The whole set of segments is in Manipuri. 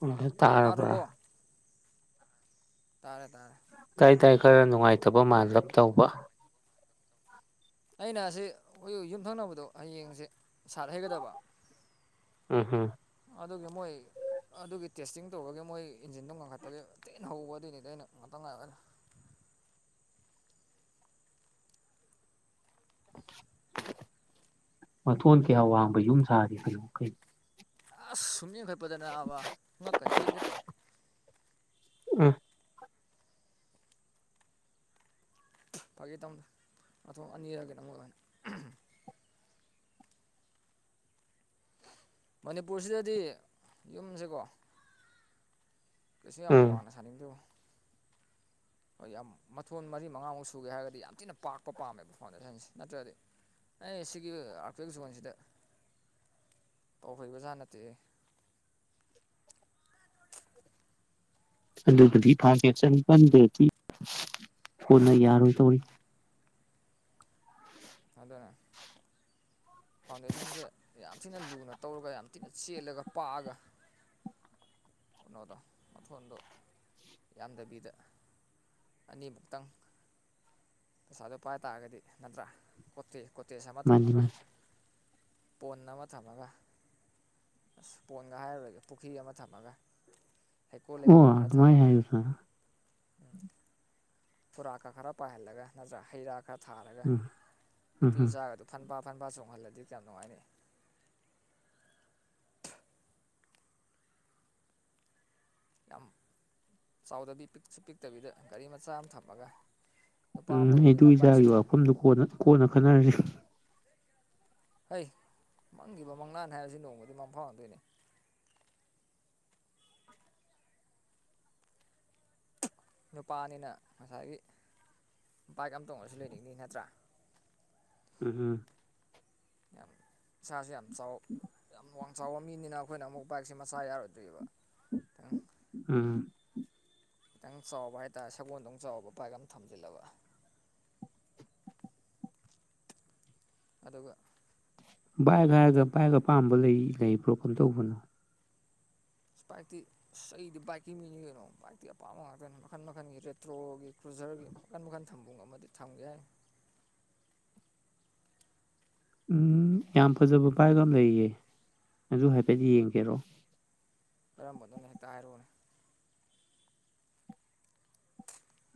[unintelligible] ꯇꯥꯔꯕ꯭ꯔꯥ ꯇꯥꯗ꯭ꯔꯕꯣ ꯇꯥꯔꯦ ꯇꯥꯔꯦ ꯇꯥꯏꯇꯥꯥꯏ ꯈꯔ ꯅꯨꯡꯉꯥꯏꯇꯕ ꯃꯥꯜꯂꯞ ꯇꯧꯕ ꯑꯩꯅ ꯑꯁꯤ ꯑꯩꯈꯣꯏ ꯌꯨꯝꯊꯪꯅꯕꯗꯣ ꯍꯌꯦꯡꯁꯦ ꯁꯥꯠ ꯍꯩꯒꯗꯕ ꯎꯝ ꯍꯝ ꯑꯗꯨꯒꯤ ꯃꯣꯏ ꯑꯗꯨꯒꯤ ꯇꯦꯁꯇꯤꯡ ꯇꯧꯔꯒ ꯃꯣꯏ ꯏꯟꯖꯤꯟꯗꯣ ꯉꯟꯈꯠꯄꯒꯤ ꯊꯤꯅ ꯍꯧꯕ ꯑꯗꯨꯏꯅꯤꯗ ꯑꯩꯅ ꯉꯥꯛꯇꯡ ꯉꯥꯏꯌ‌ꯣꯅ [unintelligible] ꯃꯊꯣꯟ ꯀꯌꯥ ꯋꯥꯡꯕ ꯌꯨꯝ ꯁꯥꯔꯤ [unintelligible] ꯀꯩꯅꯣ ꯑꯁ ꯁꯨꯝ ꯌꯦꯡꯈꯠꯄꯗ ꯅꯥꯕ ꯉꯛꯀꯥ ꯇꯦꯛꯀ‌ꯦ ꯇꯧꯋꯦ ꯑꯝ ꯐꯥꯒꯤ ꯇꯧꯕꯅꯤꯗ ꯃꯊꯣꯜ ꯑꯅꯤꯔ ꯀꯩꯅ‌ꯣꯝ ꯑ‌ꯣꯏꯔꯝꯅꯤ ꯃꯅꯤꯄꯨꯔꯁꯤꯗꯗꯤ ꯌꯨꯝꯁꯦꯀꯣ ꯀꯩꯁꯨ ꯎꯝ ꯋꯥꯡꯅ ꯁꯅꯤꯡꯗ‌ꯦꯉ‌ꯣ ꯑꯩꯣꯏ ꯌꯥꯝ ꯃꯊꯣꯟ ꯃꯔꯤ ꯃꯉꯥꯃꯨꯛ ꯁꯨꯒꯦ ꯍꯥꯏꯔꯒꯗꯤ ꯌꯥꯝ ꯊꯤꯅ ꯄꯥꯛꯄ ꯄꯥꯝꯃꯦꯕ ꯐꯥꯎꯟꯗꯦꯁꯟꯁꯦ ꯅꯠꯇ꯭ꯔꯗꯤ ꯑꯩ ꯁꯤꯒꯤ ꯑꯥꯔꯄꯦꯛ ꯖꯣꯟꯁꯤꯗ ꯇꯧꯍꯩꯕꯖꯥꯠ ꯅꯠꯇꯦ ꯑꯗꯨꯗꯗꯤ ꯐꯥꯒꯦ ꯆꯅꯤꯄꯥꯟꯗꯗꯤ ꯍꯣꯅ ꯌꯥꯔꯣꯏꯗꯧꯔꯤ ꯑꯗꯨꯅ ꯐꯥꯎꯟꯗꯦꯁꯟꯁꯦ ꯌꯥꯝ ꯊꯤꯅ ꯂꯨꯅ ꯇꯧꯔꯒ ꯌꯥꯝ ꯊꯤꯅ ꯆꯦꯜꯂꯒ ꯄꯥꯛꯑꯒ ꯀꯩꯅꯣꯗ ꯃꯊꯣꯟꯗꯣ ꯌꯥꯝꯗꯕꯤꯗ ꯑꯅꯤꯃꯨꯛꯇꯪ ꯄꯩꯁꯥꯗꯣ ꯄꯥꯏ ꯇꯥꯔꯒꯗꯤ ꯅꯠꯇ꯭ꯔꯥ ꯀꯣꯇꯦ ꯀꯣꯇꯦꯖ ꯑꯃ ꯃꯥꯅꯤ ꯊꯝꯃꯒ ꯃꯥꯅꯤ ꯄꯣꯟ ꯑꯃ ꯊꯝꯃꯒ ꯑꯁ ꯄꯣꯟꯒ ꯍꯥꯏꯔꯔꯣꯏꯒꯦ ꯄꯨꯈ꯭ꯔꯤ ꯑꯃ ꯊꯝꯃꯒ ꯍꯩꯀꯣꯜ ꯑꯣ ꯂꯩꯀꯣꯜ ꯈꯔ ꯑꯗꯨꯃꯥꯏ ꯊꯝꯃꯒ ꯍꯥꯏꯔꯁꯨ ꯌꯥꯏ ꯀꯨꯔꯥꯛꯀ ꯈꯔ ꯄꯥꯏꯍꯜꯂꯒ ꯅꯠꯇ꯭ꯔꯒ ꯍꯩ ꯔꯥ ꯈꯔ ꯊꯥꯔꯒ ꯎꯝ ꯏꯇꯨ ꯎꯝ ꯎꯝ ꯏꯆꯥꯒꯗꯨ ꯐꯟꯐꯥ ꯐꯟꯐꯥ ꯆꯣꯡꯍꯜꯂꯗꯤ ꯀꯌꯥꯝ ꯅꯨꯡꯉꯥꯏꯅꯤ ꯌꯥꯝ ꯆꯥꯎꯗꯕꯤ ꯄꯤꯛꯁꯨ ꯄꯤꯛꯇꯕꯤ ꯒꯥꯔꯤ ꯃꯆꯥ ꯑꯃ ꯊꯝꯃꯒ ꯅꯨꯄꯥ ꯑꯃ ꯎꯝ ꯏꯇꯨ ꯑꯣꯏꯕꯅꯤꯅ ꯕꯥꯏꯛꯁꯨ ꯏꯆꯥꯒꯤ ꯋꯥꯐꯝꯗꯨ ꯀꯣꯟ ꯀꯣꯟꯅ ꯈꯟꯅꯔꯁꯤ [unintelligible] ꯍꯩ ꯃꯪꯈꯤꯕ ꯃꯪꯂꯥꯟ ꯍꯥꯏꯕꯁꯤ ꯅꯣꯡꯃꯗꯤ ꯃꯪ ꯐꯥꯎꯅꯗꯣꯏꯅꯦ ꯅꯨꯄꯥꯅꯤꯅ ꯉꯁꯥꯏꯒꯤ ꯕꯥꯏꯛ ꯑꯃ ꯇꯣꯡꯉꯁꯨ ꯂꯩꯅꯤꯡꯅꯤ ꯅꯠꯇ꯭ꯔꯥ ꯎꯝ ꯍꯨꯞ ꯌꯥꯝ ꯏꯁꯥꯁꯨ‌ ꯌꯥꯝ ꯆꯥꯎ ꯌꯥꯝ ꯋꯥꯡ ꯆꯥꯎꯕ ꯃꯤꯅꯤꯅ ꯑꯩꯈꯣꯏꯅ ꯑꯃꯨꯛ ꯕꯥꯏꯛꯁꯦ ꯃꯆꯥ ꯌꯥꯔꯣꯏꯗꯣꯔꯤꯕ ꯈꯤꯇꯪ ꯎꯝ ꯈꯤꯇꯪ ꯆꯥꯎꯕ ꯍꯥꯏꯇꯥꯔꯦ ꯁꯒꯣꯜꯗꯧ ꯆꯥꯎꯕ ꯕꯥꯏꯛ ꯑꯃ ꯊꯝꯖꯤꯜꯂꯕ ꯑꯗꯨꯒ ꯚꯥꯏꯕ ꯍꯦꯛꯇ ꯍꯥꯏꯔꯒ ꯚꯥꯏꯕ ꯑꯄꯥꯝꯕ ꯂꯩꯕꯤ ꯂꯩꯕ꯭ꯔꯣ ꯀꯝ ꯗꯧꯕꯅꯣ ꯏꯁꯄꯥꯏꯛꯇꯤ ꯑꯁ ꯑꯩꯗꯤ ꯕꯥꯏꯛꯀꯤꯡꯒꯤꯅꯤ ꯀꯩꯅꯣ ꯕꯥꯏꯛꯇꯤ ꯑꯄꯥꯝꯕ ꯉꯥꯛꯇꯅꯤ ꯃꯈꯟ ꯃꯈꯟꯒꯤ ꯔꯦꯇ꯭ꯔꯣꯒꯤ ꯀ꯭ꯔꯨꯖꯔꯒꯤ ꯃꯈꯟ ꯃꯈꯟ ꯊꯝꯕꯨ ꯉꯝꯗꯤ ꯊꯝꯒꯦ ꯍꯥꯏꯅꯦ__ ꯎꯝ ꯌꯥꯝ ꯐꯖꯕ ꯕꯥꯏꯛ ꯑꯃ ꯂꯩꯔꯤꯌꯦ ꯑꯗꯨ ꯍꯥꯏꯐꯦꯠ ꯌꯦꯡꯒꯦꯔꯣ ꯀꯔꯝꯕꯅꯣꯅꯦ ꯉꯍꯦꯛꯇ ꯍꯥꯏꯔꯛꯑꯣꯅꯦ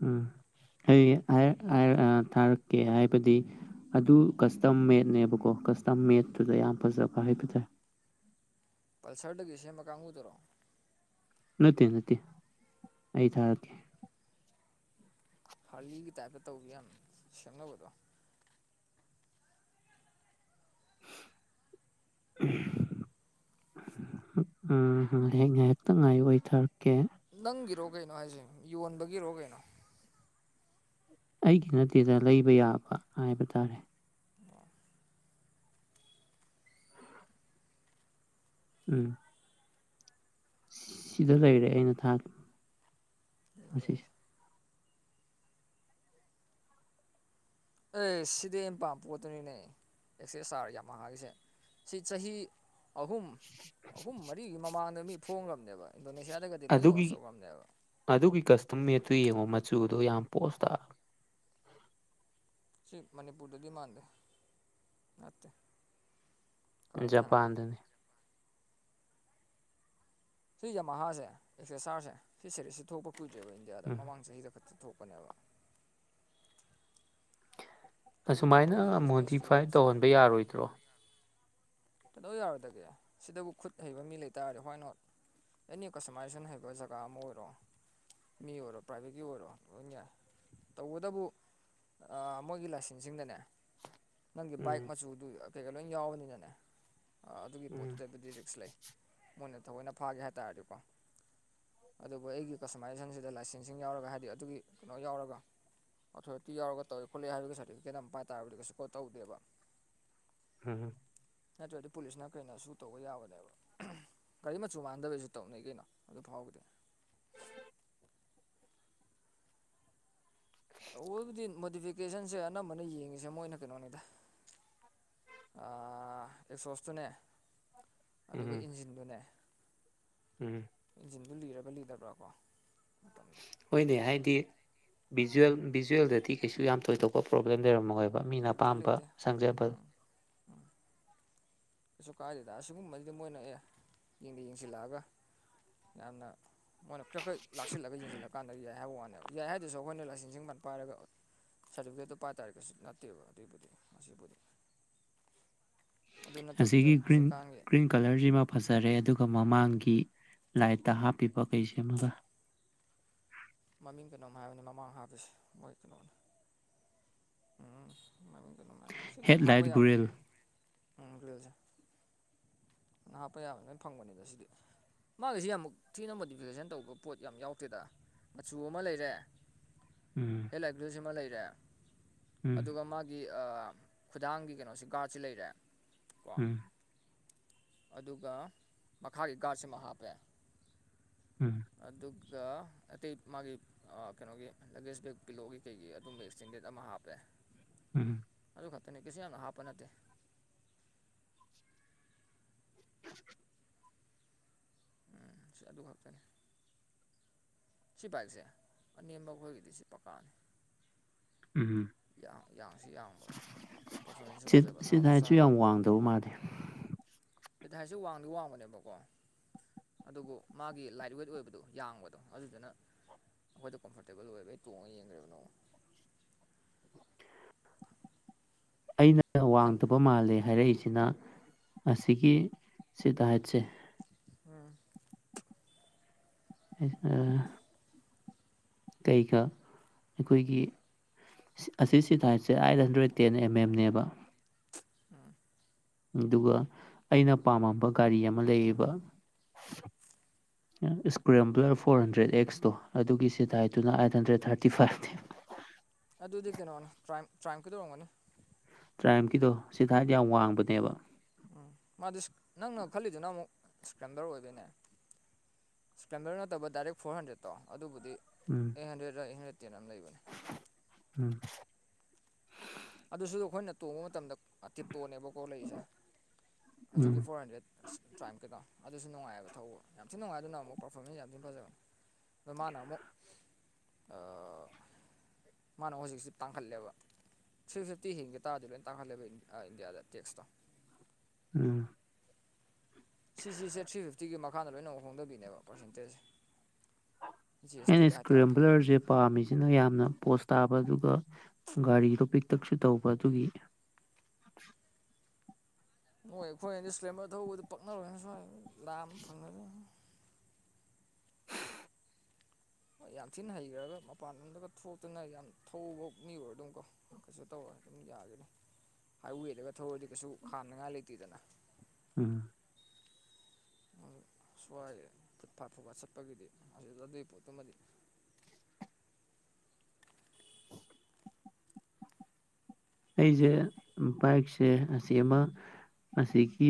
ꯎꯝ ꯑꯩ ꯑꯥꯏ ꯑꯥꯏ ꯑꯥꯥꯔ ꯊꯥꯔꯛꯀꯦ ꯍꯥꯏꯕꯗꯤ ꯑꯗꯨ ꯀꯁꯇꯝ ꯃꯦꯠꯅꯦꯕꯀꯣ ꯀꯁꯇꯝ ꯃꯦꯗꯇꯨꯗ ꯌꯥꯝ ꯐꯖꯕ ꯍꯥꯏꯕꯇꯥꯏ ꯄꯜꯁꯔꯗꯒꯤ ꯁꯦꯝꯕ ꯀꯥꯡꯒꯨꯗꯨꯔꫭ ꯅꯠꯇꯦ ꯅꯠꯇꯦ ꯑꯩ ꯊꯥꯔꯛꯀꯦ ꯍꯥꯔꯂꯤꯒꯤ ꯇꯥꯏꯞꯇ ꯇꯧꯕꯤ ꯌꯥꯝ ꯁꯦꯝꯅꯕꯗꯣ [unintelligible] ꯎꯝ [unintelligible] ꯉꯥꯏꯍꯥꯛꯇꯪ ꯉꯥꯏꯌꫭ ꯑꯩ ꯊꯥꯔꯛꯀꯦ ꯅꯪꯒꯤꯔꯣ ꯀꯩꯅꯣ ꯍꯥꯏꯁꯦ ꯌꯣꯟꯕꯒꯤꯔꯣ ꯀꯩꯅꯣ ꯑꯩꯒꯤ ꯅꯠꯇꯦꯗ ꯂꯩꯕ ꯌꯥꯕ ꯍꯥꯏꯕ ꯇꯥꯔꯦ ꯑꯣ ꯎꯝ ꯁꯤꯗ ꯂꯩꯔꯦ ꯑꯩꯅ ꯊꯥꯒ꯭ꯔꯦ ꯑꯁꯤꯁ‌ꯦ ꯑꯦꯁ ꯁꯤꯗꯤ ꯑꯩꯅ ꯄꯥꯝꯕ ꯄꯣꯠꯇꯨꯅꯤꯅꯦ ꯑꯦꯛꯁꯦꯁ ꯑꯥꯔ ꯌꯥꯝꯃ ꯍꯥꯏꯁꯦ ꯁꯤ ꯆꯍꯤ ꯑꯍꯨꯝ ꯑꯍꯨꯝ ꯃꯔꯤꯒꯤ ꯃꯃꯥꯡꯗ ꯃꯤ ꯐꯣꯡꯒ꯭ꯔꯕꯅꯦꯕ ꯏꯟꯗꯣꯅꯦꯁꯤꯌꯥꯗꯒꯗꯤ ꯂꯣꯏ ꯑꯗꯨꯒꯤ ꯂꯣꯟꯁ ꯇꯧꯒ꯭ꯔꯝꯅꯦꯕ ꯑꯗꯨꯒꯤ ꯀꯁꯇꯨꯝ ꯃꯦꯠꯇꯨ ꯌꯦꯡꯉꯣ ꯃꯆꯨꯗꯣ ꯌꯥꯝ ꯄꯣꯁ ꯇ__ ꯁꯤ ꯃꯅꯤꯄꯨꯔꯗꯗꯤ ꯃꯥꯟꯗ‌ꯦ ꯅꯠꯇ‌ꯦ ꯖꯄꯥꯟꯗꯅꯦ ꯁꯤ ꯌꯃꯍꯥꯁꯦ ꯑꯦꯛꯁ ꯑꯦꯁ ꯑꯥꯔꯁꯦ ꯁꯤ ꯁꯦꯔꯤꯁꯁꯦ ꯊꯣꯛꯄ ꯀꯨꯏꯗ꯭ꯔꯤꯕ ꯏꯟꯗꯤꯌꯥꯗ ꯎꯝ ꯃꯃꯥꯡ ꯆꯍꯤꯗ ꯈꯛꯇ ꯊꯣꯛꯄꯅꯦꯕ ꯇꯧꯕꯨꯗꯤ ꯑꯁꯨꯃꯥꯏꯅ ꯃꯣꯏꯒꯤ ꯕꯤꯖꯤꯅꯦꯁꯀꯤ ꯃꯣꯗꯤꯐꯥꯏ ꯔꯨꯠꯁꯦ ꯇꯧꯍꯟꯕ ꯌꯥꯔꯣꯏꯗ꯭ꯔꯣ ꯀꯩꯗꯧ ꯌꯥꯔꯣꯏꯗꯒꯦ ꯁꯤꯗꯕꯨ ꯈꯨꯠ ꯍꯩꯕ ꯃꯤ ꯂꯩ ꯇꯥꯔꯗꯤ ꯋꯥꯏ ꯅꯣꯠ ꯑꯦꯅꯤ ꯀꯁꯇꯃꯥꯏꯖꯦꯁꯟ ꯍꯩꯕ ꯖꯒꯥ ꯑꯃ ꯑꯣꯏꯔꯣ ꯃꯤ ꯑꯣꯏꯔꯣ ꯄ꯭ꯔꯥꯏꯚꯦꯠꯀꯤ ꯑꯣꯏꯔꯣ ꯂꯣꯏꯅ ꯌꯥꯏ ꯇꯧꯕꯇꯕꯨ ꯑ ꯃꯣꯏꯒꯤ ꯂꯥꯏꯁꯦꯟꯁꯁꯤꯡꯗꯅꯦ ꯅꯪꯒꯤ ꯕꯥꯏꯛ ꯎꯝ ꯃꯆꯨꯗꯨ ꯀꯩꯀ ꯂꯣꯏ ꯌꯥꯎꯕꯅꯤꯅꯅꯦ ꯑꯗꯨꯒꯤ ꯎꯝ ꯄꯣꯠꯇꯨꯗꯕꯨꯗꯤ ꯔꯤꯛꯁ ꯂꯩ ꯃꯣꯏꯅ ꯊꯑꯣꯏꯅ ꯐꯥꯒꯦ ꯍꯥꯏ ꯇꯥꯔꯗꯤꯀꯣ ꯑꯗꯨꯕꯨ ꯑꯩꯒꯤ ꯀꯁꯇꯃꯥꯏꯖꯦꯁꯟꯁꯤꯗ ꯂꯥꯏꯁꯦꯟꯁꯤꯡ ꯌꯥꯎꯔꯒ ꯍꯥꯏꯗꯤ ꯑꯗꯨꯒꯤ ꯀꯩꯅꯣ ꯌꯥꯎꯔꯕ ꯑꯣꯊꯣꯔꯤꯇꯤ ꯌꯥꯎꯤꯒ ꯇꯧꯋꯤ ꯈꯣꯠꯂꯦ ꯍꯥꯏꯕꯒꯤ ꯁꯥꯔꯇꯤꯐꯤꯀꯦꯠ ꯑꯃ ꯄꯥꯏ ꯇꯥꯔꯕꯗꯤ ꯀꯩꯁꯨ ꯀꯣꯠ ꯇꯧꯗꯦꯕ ꯍꯍꯨꯝ ꯅꯠꯇ꯭ꯔꯗꯤ ꯄꯨꯂꯤꯁꯅ ꯀꯩꯅ ꯁꯨ ꯇꯧꯕ ꯌꯥꯕꯅꯦꯕ ꯒꯥꯔꯤ ꯃꯆꯨ ꯃꯥꯟꯅꯗꯕꯩꯁꯨ ꯇꯧꯅꯩ ꯀꯩꯅꯣ ꯑꯗꯨ ꯐꯥꯎꯕꯗꯤ ꯇꯧꯕꯕꯨꯗꯤ ꯃꯣꯗꯤꯐꯤꯀꯦꯁꯟꯁꯦ ꯑꯅꯝꯕꯅ ꯌꯦꯡꯉꯤꯁꯦ ꯃꯣꯏꯅ ꯀꯩꯅꯣꯅꯤꯗ ꯑꯦꯛꯁꯣꯁꯇꯨꯅꯦ ꯑꯗꯨꯒ ꯎꯝ ꯏꯟꯖꯤꯟꯗꯨꯅꯦ ꯎꯝ ꯏꯟꯖꯤꯟꯗꯨ ꯂꯤꯔꯕ ꯂꯤꯗꯕ꯭ꯔꯥ ꯀꯣ ꯍꯣꯏꯅꯦ ꯍꯥꯏꯗꯤ ꯚꯤꯖꯨꯋꯦꯜ ꯚꯤꯖꯨꯋꯦꯜꯗꯗꯤ ꯀꯩꯁꯨ ꯌꯥꯝ ꯊꯣꯏꯗꯣꯛꯄ ꯄ꯭ꯔꯣꯕ꯭ꯂꯦꯝ ꯂꯩꯔꯝꯃꯣꯏ ꯃꯤꯅ ꯂꯩꯇꯦ ꯑꯄꯥꯝꯕ ꯂꯩꯇꯦ ꯁꯪꯖꯕ ꯀꯩꯁꯨ ꯀꯥꯏꯗꯦꯗ ꯑꯁꯤꯒꯨꯝꯕꯗꯤ ꯃꯣꯏꯅ ꯑꯦ ꯌꯦꯡꯗ ꯌꯦꯡꯁꯤꯜꯂꯛꯑꯒ ꯌꯥꯝꯅ ꯃꯣꯏꯅ ꯀ꯭ꯔꯛ ꯀ꯭ꯔꯛ ꯂꯥꯛꯁꯤꯜꯂꯒ ꯌꯦꯡꯁꯤꯜꯂꯀꯥꯟꯗ ꯌꯥꯏ ꯍꯥꯏꯕ ꯋꯥꯅꯦ ꯌꯥꯏ ꯍꯥꯏꯗꯨꯁꯨ ꯑꯩꯈꯣꯏꯅ ꯂꯥꯏꯁꯦꯡ ꯁꯤꯡ ꯀꯥ꯭ꯔꯠ ꯄꯥꯏꯔꯒ ꯁꯥꯔꯇꯤꯐꯤꯀꯦꯠꯇꯨ ꯄꯥꯏꯇꯥꯔ ꯀꯩꯁꯨ ꯅꯠꯇꯦꯕ ꯑꯗꯨꯏꯕꯨꯗꯤ ꯑꯁꯤꯕꯨꯗꯤ ꯅꯠꯇꯕꯤꯗ ꯑꯁꯤꯒꯤ ꯒ꯭ꯔꯤꯟ ꯍꯧꯖꯤꯛꯀꯥꯟꯒꯤ ꯒ꯭ꯔꯤꯟ ꯀꯂꯔꯁꯤꯃ ꯐꯖꯔꯦ ꯑꯗꯨꯒ ꯃꯃꯥꯡꯒꯤ ꯂꯥꯏꯠꯇ ꯍꯥꯞꯄꯤꯕ ꯀꯩ ꯁꯤꯃꯒ ꯃꯃꯤꯡ ꯀꯩꯅꯣꯝ ꯍꯥꯏꯕꯅꯤ ꯃꯃꯥꯡ ꯍꯥꯞꯄꯤꯁꯦ ꯃꯣꯏ ꯀꯩꯅꯣꯅꯤ ꯎꯝ ꯃꯃꯤꯡ ꯀꯩꯅꯣꯝ ꯍꯥꯢꯕꯅꯤ ꯁꯤ ꯂꯣꯢ ꯍꯥꯞꯄ ꯍꯦꯠꯂꯥꯏꯠ ꯌꯥꯕꯅꯦ ꯒꯨꯔꯤꯜ ꯎꯝ ꯒ꯭ꯂꯤꯟꯁꯤ ꯅꯍꯥꯞꯄ ꯌꯥꯕꯅꯦ ꯂꯣꯏ ꯐꯪꯕꯅꯤꯗ ꯁꯤꯗꯤ ꯃꯥꯒꯤꯁꯤ ꯑꯃꯨꯛ ꯊꯤꯅ ꯃꯣꯗꯤꯐꯤꯀꯦꯁꯟ ꯇꯧꯕ ꯄꯣꯠ ꯌꯥꯝ ꯌꯥꯎꯇꯦꯗ ꯃꯆꯨ ꯑꯃ ꯂꯩꯔꯦ ꯎꯝ ꯍꯦꯠ ꯂꯥꯏꯠ ꯒ꯭ꯂꯤꯁ ꯁꯤꯃ ꯂꯩꯔꯦ ꯎꯝ ꯑꯗꯨꯒ ꯃꯥꯒꯤ ꯑꯥ ꯈꯨꯗꯥꯡꯒꯤ ꯀꯩꯅꯣꯁꯤ ꯒꯥ꯭ꯔꯠꯁꯤ ꯂꯩꯔꯦ ꯀꯣ ꯎꯝ ꯑꯗꯨꯒ ꯃꯈꯥꯒꯤ ꯒꯥ꯭ꯔꯠ ꯁꯤꯃ ꯍꯥꯞꯄꯦ ꯎꯝ ꯑꯗꯨꯒ ꯑꯇꯩ ꯃꯥꯒꯤ ꯀꯩꯅꯣꯒꯤ ꯂꯒꯦꯖ ꯕꯦꯛ ꯄꯤꯂꯣꯒꯤ ꯀꯩꯒꯤ ꯑꯗꯨꯝꯕ ꯑꯦꯛꯁꯇꯦꯟꯗꯦꯠ ꯑꯃ ꯍꯥꯞꯄꯦ ꯎꯝ ꯑꯗꯨ ꯈꯛꯇꯅꯤ ꯀꯩꯁꯨ ꯌꯥꯝꯅ ꯍꯥꯞꯄ ꯅꯠꯇꯦ [inaudible] ꯎꯝ ꯁꯤ ꯑꯗꯨ ꯈꯛꯇꯅꯤ ꯁꯤ ꯕꯥꯏꯛꯁꯦ ꯑꯅꯦꯝꯕ ꯑꯩꯈꯣꯏꯒꯤꯗꯤ ꯁꯤ ꯄꯛꯀꯥꯅꯤ ꯎꯝ ꯎꯝ ꯌꯥꯡꯁꯨ ꯌꯥꯡꯕ ꯄꯔꯐꯣꯔꯃꯦꯟꯁꯁꯨ ꯁꯤꯠ ꯐꯖꯕ ꯁꯤꯠ ꯊꯥꯎꯁꯨ ꯍꯥꯏꯠꯁꯨ ꯆꯥꯗꯕ ꯌꯥꯝ ꯋꯥꯡꯗꯕ ꯃꯥꯜꯂꯦ ꯁꯤꯠ ꯍꯥꯏꯠꯁꯤ ꯋꯥꯡꯗꯤ ꯋꯥꯡꯕꯅꯦꯕꯀꯣ ꯑꯗꯨꯕꯨ ꯃꯥꯒꯤ ꯂꯥꯏꯠ ꯋꯦꯠ ꯑꯣꯏꯕꯗꯨ ꯌꯥꯡꯕꯗꯣ ꯑꯗꯨꯗꯨꯅ ꯑꯩꯈꯣꯏꯗ ꯀꯝꯐꯣꯔꯇꯦꯕꯜ ꯑꯣꯏꯕꯩ ꯑꯩ ꯇꯣꯡꯉ ꯌꯦꯡꯒ꯭ꯔꯦꯕ ꯅꯣꯡꯃ ꯑꯩꯅ ꯍꯟ ꯋꯥꯡꯗꯕ ꯃꯥꯜꯂꯦ ꯍꯥꯏꯔꯛꯏꯁꯤꯅ ꯑꯁꯤꯒꯤ ꯁꯤꯠ ꯍꯥꯏꯠꯁꯦ ꯎꯝ [unintelligible] ꯀꯩꯒ ꯑꯩꯈꯣꯏꯒꯤ ꯑꯁꯤ ꯁꯤꯠ ꯍꯥꯏꯠꯁꯦ ꯑꯥꯏꯠꯍꯟꯗ꯭ꯔꯦꯠ ꯇꯦꯟ ꯑꯦꯝ ꯑꯦꯝꯅꯦꯕ ꯎꯝ ꯑꯗꯨꯒ ꯑꯩꯅ ꯄꯥꯝꯃꯝꯕ ꯒꯥꯔꯤ ꯑꯃ ꯂꯩꯌꯦꯕ [unintelligible] ꯏꯁꯀ꯭ꯔꯦꯝꯕꯂꯔ ꯐꯣꯔ ꯍꯟꯗ꯭ꯔꯦꯠ ꯑꯦꯛꯁꯇꯣ ꯑꯗꯨꯒꯤ ꯁꯤꯠ ꯍꯥꯏꯠꯇꯨꯅ ꯑꯥꯏꯠ ꯍꯟꯗ꯭ꯔꯦꯠ ꯊꯥꯔꯇꯤ ꯐꯥꯏꯞꯅꯦꯕ ꯑꯗꯨꯗꯤ ꯀꯩꯅꯣꯅꯦ ꯇ꯭ꯔꯥꯏꯝ ꯇ꯭ꯔꯥꯏꯝ ꯀꯤꯗꯣ ꯑꯣꯏꯔꯝꯒꯅꯤ ꯇ꯭ꯔꯥꯏꯝꯀꯤꯗꯣ ꯁꯤꯠ ꯍꯥꯏꯠ ꯌꯥꯝ ꯋꯥꯡꯕꯅꯦꯕ ꯎꯝ ꯃꯥꯗꯤ ꯅꯪꯅ ꯈꯜꯂꯤꯗꯨꯅ ꯑꯃꯨꯛ ꯏꯁꯀ꯭ꯔꯦꯝꯕꯂꯔ ꯑꯣꯏꯗꯣꯏꯅꯦ ꯏꯁꯀ꯭ꯔꯦꯝꯕꯂꯔ ꯅꯠꯇꯕ ꯗꯥꯏꯔꯦꯛ ꯐꯣꯔ ꯍꯟꯗ꯭ꯔꯦꯠꯇꯣ ꯑꯗꯨꯕꯨꯗꯤ ꯎꯝ ꯑꯦꯠ ꯍꯟꯗ꯭ꯔꯦꯠꯔ ꯑꯦꯠ ꯍꯟꯗ꯭ꯔꯦꯠ ꯇꯦꯟꯂ ꯑꯃ ꯂꯩꯕꯅꯦ ꯎꯝ ꯑꯗꯨꯁꯨ ꯑꯩꯈꯣꯏꯅ ꯇꯣꯡꯕ ꯃꯇꯝꯗ ꯇꯤꯞꯇꯣꯅꯦꯕꯀꯣ ꯂꯩꯔꯤꯁꯦ ꯎꯝ ꯍꯧꯖꯤꯛꯀꯤ ꯐꯣꯔ ꯍꯟꯗ꯭ꯔꯦꯠ ꯑꯁ ꯇ꯭ꯔꯥꯏꯝ ꯀꯩꯩꯅꯣꯗꯣ ꯑꯗꯨꯁꯨ ꯅꯨꯡꯉꯥꯏꯌꯦꯕ ꯊꯧꯕ ꯌꯥꯝ ꯊꯤ ꯅꯨꯡꯉꯥꯏ ꯑꯗꯨꯅ ꯑꯃꯨꯛ ꯄꯔꯐꯣꯔꯃꯦꯟꯁ ꯌꯥꯝ ꯊꯤ ꯐꯖꯕꯅꯤ ꯃꯅꯥ ꯑꯃꯨꯛ ꯑ ꯃꯥꯅ ꯑꯃꯨꯛ ꯍꯧꯖꯤꯛꯁꯤ ꯇꯥꯡꯈꯠꯂꯦꯕ ꯊ꯭ꯔꯤ ꯐꯤꯐꯇꯤ ꯍꯤꯡꯒꯤ ꯇꯥꯗꯤ ꯂꯣꯏ ꯇꯥꯡꯈꯜꯂꯦꯕ ꯑ ꯏꯟꯗꯤꯌꯥꯗ ꯇꯦꯛꯁꯇꯥ ꯎꯝ ꯁꯤꯁꯤꯁꯦ ꯊ꯭ꯔꯤ ꯐꯤꯐꯇꯤꯒꯤ ꯃꯈꯥꯗ ꯂꯣꯏꯅꯃꯛ ꯍꯣꯡꯗꯕꯤꯅꯦꯕ ꯄꯥꯔꯁꯦꯟꯇꯦꯖꯁꯦ ꯖꯤ ꯑꯦꯁ ꯑꯩꯩꯅ ꯇꯤꯗ ꯍꯥꯏꯇꯥꯔꯦ ꯏꯁꯀ꯭ꯔꯦꯕ꯭ꯂꯔꯁꯦ ꯄꯥꯝꯃꯤꯁꯤꯅ ꯌꯥꯝꯅ ꯄꯣꯁ ꯇꯥꯕ ꯑꯗꯨꯒ ꯒꯥꯔꯤꯗꯣ ꯄꯤꯛꯇꯛꯁꯨ ꯇꯧꯕ ꯑꯗꯨꯒꯤ ꯅꯣꯏ ꯑꯩꯈꯣꯏ ꯑꯗꯤ ꯏꯁ꯭ꯂꯦꯝꯕꯔ ꯊꯧꯕꯗꯨ ꯄꯛꯅꯔꯣꯏꯅ ꯁ꯭ꯋꯥꯏ ꯂꯥꯟꯑ ꯐꯪꯉꯔꯣꯢ ꯍꯣꯏ ꯌꯥꯝ ꯊꯤꯅ ꯍꯩꯒ꯭ꯔꯒ ꯃꯄꯥꯟ ꯂꯣꯝꯗꯒ ꯊꯣꯛꯇꯅ ꯌꯥꯝ ꯊꯧꯕ ꯃꯤ ꯑꯣꯏꯔꯗꯨꯝꯀꯣ ꯀꯩꯁꯨ ꯇꯧꯔꯣꯢ ꯑꯗꯨꯝ ꯌꯥꯒꯅꯤ ꯍꯥꯏꯋꯦꯗꯒ ꯊꯧꯔꯗꯤ ꯀꯩꯁꯨ ꯈꯥꯝꯅꯤꯉꯥꯏ ꯂꯩꯇꯦꯗꯅ ꯎꯝ ꯁꯋꯥꯏꯒꯤ ꯐꯨꯠ ꯐꯥꯠ ꯐꯨꯐꯥꯠ ꯆꯠꯄꯒꯤꯗꯤ ꯑꯗꯨ ꯑꯗꯨꯒꯤ ꯄꯣꯠꯇꯨꯃꯗꯤ ꯑꯩꯁꯦ ꯕꯥꯏꯛꯁꯦ ꯑꯁꯤ ꯑꯃ ꯑꯁꯤꯒꯤ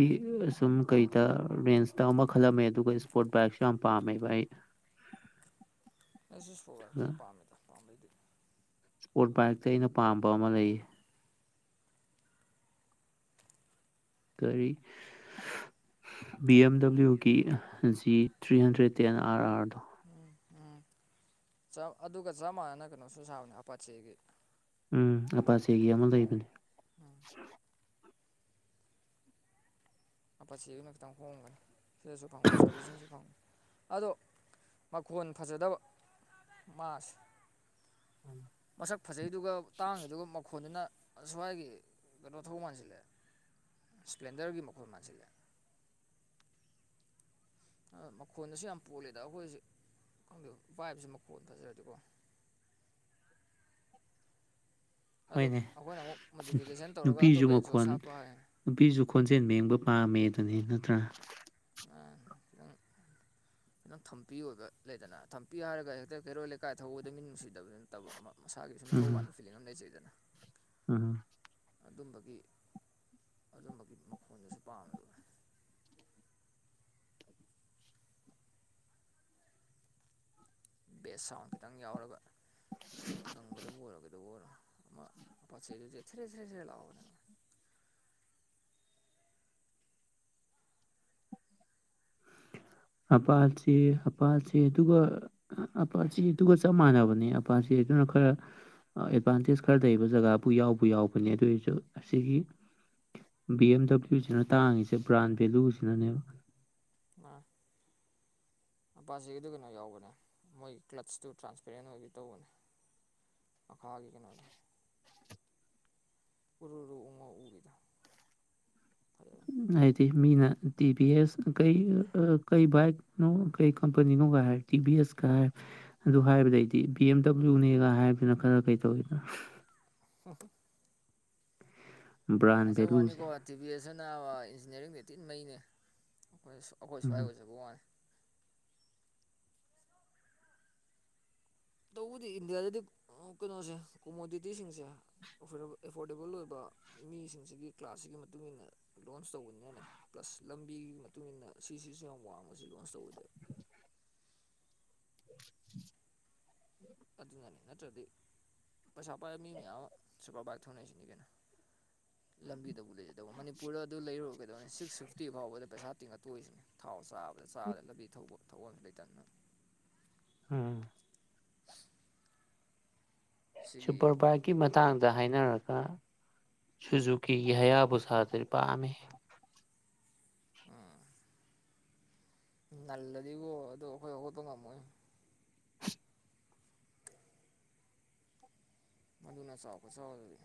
ꯁꯨꯝ ꯀꯩꯗ ꯔꯦꯟꯁꯇ ꯑꯃ ꯈꯜꯂꯝꯃꯦ ꯑꯗꯨꯒ ꯏꯁꯄꯣꯔꯠ ꯕꯥꯏꯛ ꯌꯥꯝ ꯄꯥꯝꯃꯦꯕ ꯑꯩ ꯑꯩꯁꯨ ꯏꯁ꯭ꯄꯣꯔꯠ ꯕꯥꯏꯛ ꯑꯗꯨꯒ ꯄꯨꯗꯤ ꯄꯥꯝꯃꯦꯗ ꯄꯥꯝꯕꯩꯗꯤ ꯏꯁꯄꯣꯔꯠ ꯕꯥꯏꯛꯇ ꯑꯩꯅ ꯄꯥꯝꯕ ꯑꯃ ꯂꯩꯌꯦ ꯀꯔꯤ ꯕꯤ ꯑꯦꯝ ꯗꯕ꯭ꯂ꯭ꯌꯨꯒꯤ G three hundred ten R ꯑꯥꯔꯗꯣ ꯎꯝ ꯎꯝ ꯑꯗꯨꯒ ꯆꯞ ꯑꯗꯨꯒꯥ ꯃꯥꯟꯅꯅ ꯀꯩꯅꯣꯁꯨ ꯁꯥꯕꯅꯦ ꯑꯄꯥꯆꯦꯒꯤ ꯎꯝ ꯑꯄꯥꯆꯦꯒꯤ ꯑꯃ ꯂꯩꯕꯅꯦ ꯑꯄꯥꯠꯆꯦꯒꯤꯗꯨꯅ ꯈꯤꯇꯪ ꯍꯣꯡꯒꯅꯤ ꯁꯤꯗꯁꯨ ꯐꯪꯉ ꯁꯥꯔꯚꯤꯁꯁꯤꯡꯁꯨ ꯐꯪ ꯑꯗꯣ ꯃꯈꯣꯟ ꯐꯖꯗꯕ ꯃꯥꯁꯦ ꯃꯁꯛ ꯐꯖꯩꯗꯨꯒ ꯇꯥꯡꯉꯤꯗꯨꯒ ꯃꯈꯣꯟꯗꯨꯅ ꯑꯁ꯭ꯋꯥꯏꯒꯤ ꯀꯩꯅꯣ ꯊꯧ ꯃꯥꯟꯁꯤꯜꯂꯑꯦ ꯁꯄ꯭ꯂꯦꯟꯗꯔꯒꯤ ꯃꯈꯣꯜ ꯃꯥꯟꯁꯤꯜꯂꯛꯑꯦ ꯃꯈꯣꯟꯗꯁꯨ ꯌꯥꯝ ꯄꯣꯜꯂꯤꯗ ꯑꯩꯈꯣꯏꯁꯤ ꯈꯪꯗꯦ ꯄꯥꯏꯕꯁꯤ ꯃꯈꯣꯟ ꯐꯖꯔꯗꯤꯀꯣ ꯑꯗꯨ ꯍꯣꯏꯅꯦ ꯑꯩꯈꯣꯏꯅ ꯑꯃꯨꯛ ꯃꯣꯗꯤꯐꯤꯀꯦꯁꯟ ꯇꯧꯔꯒ ꯅꯨꯄꯤꯁꯨ ꯑꯇꯣꯞꯄ ꯑꯦꯛꯖꯣꯁ ꯃꯈꯣꯟ ꯍꯥꯞꯄ ꯍꯥꯏ ꯅꯨꯄꯤꯁꯨ ꯈꯣꯟꯖꯦꯜ ꯃꯦꯡꯕ ꯄꯥꯝꯃꯦ ꯑꯗꯨꯅꯤ ꯅꯠꯇ꯭ꯔꯥ ꯑꯥ ꯈꯤꯇꯪ ꯊꯝꯄꯤ ꯑꯣꯏꯕ ꯂꯩꯗꯅ ꯊꯝꯄꯤ ꯍꯥꯏꯔꯒ ꯍꯦꯛꯇ ꯀꯩꯔꯣꯏꯜ ꯂꯩꯀꯥꯏ ꯊꯧꯕꯗ ꯃꯤ ꯅꯨꯡꯁꯤꯗꯕꯅꯤ ꯅꯠꯇꯕ ꯑꯃ ꯃꯁꯥꯒꯤ ꯁꯨꯝ ꯎꯝ ꯊꯧꯀꯥꯟꯗ ꯐꯤꯂꯤꯡ ꯑꯃ ꯂꯩꯖꯩꯗꯅ ꯎꯝ ꯑꯗꯨꯝꯕꯒꯤ ꯑꯗꯨꯝꯕꯒꯤ ꯃꯈꯣꯟꯗꯨꯁꯨ ꯄꯥꯝꯃꯦꯕ ꯕꯦꯁ ꯁꯥꯎꯟ ꯈꯤꯇꯪ ꯌꯥꯎꯔꯒ ꯉꯪꯕꯗꯕꯨ ꯑꯣꯏꯔꯣ ꯀꯩꯗꯧꯕꯕꯨ ꯑꯣꯏꯔꯣ ꯑꯃ ꯄꯆꯦꯗꯤꯖ ꯊꯦꯔꯦ ꯊꯦꯔꯦ ꯊꯦꯔꯦ ꯂꯥꯎꯕꯅꯦ ꯍꯥꯄꯥꯜꯆꯦ ꯍꯥꯄꯥꯜꯆꯤ ꯑꯗꯨꯒ ꯑꯄꯥꯆꯤꯗꯨꯒ ꯆꯞ ꯃꯥꯟꯅꯕꯅꯤ ꯑꯄꯥꯆꯤ ꯑꯗꯨꯅ ꯈꯔ ꯑꯦꯗꯚꯥꯟꯇꯦꯖ ꯈꯔ ꯂꯩꯕ ꯖꯒꯥꯕꯨ ꯌꯥꯎꯕꯨ ꯌꯥꯎꯕꯅꯦ ꯑꯗꯨ ꯑꯣꯏꯔꯁꯨ ꯑꯁꯤꯒꯤ ꯕꯤ ꯑꯦꯝ ꯗꯕ꯭ꯂꯤꯎꯁꯤꯅ ꯇꯥꯡꯉꯤꯁꯦ ꯕ꯭ꯔꯥꯟ ꯚꯦꯂꯨꯁꯤꯅꯅꯦꯕ ꯃꯥꯟ ꯑꯄꯥꯖꯤꯒꯤ ꯑꯗꯨ ꯀꯩꯅꯣ ꯌꯥꯎꯕꯅꯦ ꯃꯣꯏꯒꯤ ꯀ꯭ꯂꯠꯁꯇꯨ ꯇ꯭ꯔꯥꯟꯁꯄꯦꯔꯦꯟ ꯑꯣꯏꯒꯦ ꯇꯧꯕꯅꯦ ꯃꯈꯥꯒꯤ ꯀꯩꯅꯣꯗꯣ ꯎꯔꯨ ꯔꯨ ꯎꯡꯉ ꯎꯕꯤꯗꯣ ꯐꯔꯦ ꯍꯥꯏꯗꯤ ꯃꯤꯅ ꯇꯤ ꯕꯤ ꯑꯦꯁ ꯀꯩ ꯀꯩ ꯕꯥꯏꯛ ꯅꯣ ꯀꯩ ꯀꯝꯄꯅꯤ ꯅꯣ ꯀꯥ ꯍꯥꯢ ꯇꯤꯕꯤ ꯑꯦꯁ ꯀ ꯍꯥꯢ ꯑꯗꯨ ꯍꯥꯏꯕꯗꯩꯗꯤ ꯕꯤ ꯑꯦꯝ ꯗꯕ꯭ꯂꯤꯎꯅꯦꯒ ꯍꯥꯏꯕꯗꯨꯅ ꯈꯔ ꯀꯩ ꯇꯧꯋꯤꯗꯅ ꯍꯣ ꯍꯣ ꯕ꯭ꯔꯥꯟ ꯍꯥꯏꯖꯕ ꯚꯦꯂꯨꯁꯦ ꯋꯥꯅꯤꯀꯣ ꯇꯤ ꯚꯕꯤ ꯑꯦꯁꯁꯨ ꯅꯥ ꯏꯟꯖꯤꯅꯤꯌꯥꯔꯤꯡꯗꯤ ꯏꯇꯤꯟ ꯃꯩꯅꯦ ꯑꯩꯈꯣꯏ ꯑꯩꯈꯣꯏ ꯁ꯭ ꯍꯥꯏ ꯎꯝ ꯑꯣꯏꯖꯕ ꯋꯥꯅꯦꯋꯥꯅꯤ ꯇꯧꯕꯗꯤ ꯏꯟꯗꯤꯌꯥꯗꯗꯤ ꯀꯩꯅꯣꯁꯦ ꯀꯣꯃꯣꯗꯤꯇꯤꯁꯤꯡꯁꯦ ꯑꯦꯐꯣꯔꯗꯦꯕꯜ ꯑꯣꯏꯕ ꯃꯤꯁꯤꯡꯁꯤꯒꯤ ꯀ꯭ꯂꯥꯁꯁꯤꯒꯤ ꯃꯇꯨꯡ ꯏꯟꯅ ꯂꯣꯟꯁ ꯇꯧꯕꯅꯤꯅꯅꯦ ꯄ꯭ꯂꯁ ꯂꯝꯕꯤꯒꯤ ꯃꯇꯨꯡ ꯏꯟꯅ ꯁꯤꯁꯤꯁꯨ ꯌꯥꯝ ꯋꯥꯡꯕꯁꯤ ꯂꯣꯟꯁ ꯇꯧꯕꯗ [unintelligible] ꯑꯗꯨ ꯑꯗꯨꯅꯅꯤ ꯅꯠꯇ꯭ꯔꯗꯤ [inaudible] ꯄꯩꯁꯥ ꯄꯥꯏꯕ ꯃꯤ ꯃꯌꯥꯝ ꯑꯃ ꯁꯨꯄꯔ ꯕꯥꯏꯛ ꯊꯧꯅꯁꯤꯅꯤ ꯀꯩꯅꯣ ꯂꯝꯕꯤꯗꯕꯨ ꯂꯩꯖꯗꯧꯕ ꯃꯅꯤꯄꯨꯔꯗ ꯑꯗꯨ ꯂꯩꯔꯨꯕ ꯀꯩꯗꯧꯅꯤ ꯁꯤꯛꯁ ꯐꯤꯐꯇꯤ ꯐꯥꯎꯕꯗ ꯄꯩꯁꯥ ꯇꯤꯡꯉꯥ ꯇꯣꯛ ꯏ ꯁꯤꯅꯤ ꯊꯥꯎ ꯆꯥꯕꯗ ꯆꯥꯕꯗ ꯂꯝꯕꯤ ꯊꯧꯕ ꯊꯧꯐꯝꯁꯨ ꯂꯩꯇꯗꯅ ꯎꯝ ꯁꯤꯒꯤ ꯁꯨꯄꯔ ꯄꯥꯋꯛ ꯃꯇꯥꯡꯗ ꯍꯥꯏꯅꯔꯒ ꯁꯨꯖꯨꯀꯤꯒꯤ ꯍꯌꯥꯕꯨ ꯁꯥꯗꯨꯗꯤ ꯄꯥꯝꯃꯤ ꯑꯥ ꯅꯜꯂꯗꯤꯕꯣ ꯑꯗꯣ ꯑꯩꯈꯣꯏ ꯍꯧꯒꯠꯄ ꯉꯝꯃꯣꯏ ꯃꯗꯨꯨꯅ ꯆꯥꯎꯕ ꯈꯨꯆꯥꯎꯗꯣ ꯑꯗꯨꯗꯤ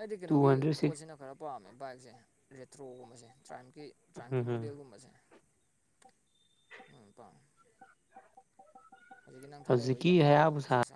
ꯑꯩꯗꯤ ꯇꯨ ꯀꯩꯅꯣꯒꯤ ꯍꯟꯗ꯭ꯔꯦꯠ ꯁꯤꯛꯁ ꯄꯣꯠꯁꯤꯅ ꯈꯔ ꯄꯥꯝꯃꯦ ꯕꯥꯏꯛꯁꯦ ꯔꯦꯇ꯭ꯔꯣꯒꯨꯝꯕꯁꯦ ꯇ꯭ꯔꯥꯏꯝꯀꯤ ꯇ꯭ꯔꯥꯝꯀꯤ ꯎꯝ ꯃꯣꯗꯦꯜꯒꯨꯝꯕꯁꯦ ꯎꯝ ꯄꯥꯥꯝꯃꯦ ꯍꯧꯖꯤꯛꯀꯤ ꯅꯪ ꯊꯥꯔꯛꯏꯕ ꯍꯧꯖꯤꯛꯀꯤ ꯌꯃꯥ ꯍꯌꯥꯕꯨꯁꯥ ꯑꯦꯁ ꯑꯦꯁ ꯑꯥꯔ